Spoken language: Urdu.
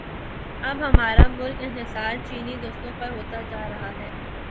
اب ہمارا مکمل انحصار چینی دوستوں پہ ہوتا جا رہا ہے۔